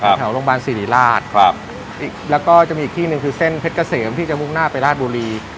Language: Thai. แถวโรงพยาบาลศิริราชครับอีกแล้วก็จะมีอีกที่หนึ่งคือเส้นเพชรเกษมที่จะมุ่งหน้าไปราชบุรี